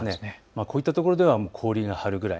こういったところでは氷が張るくらい。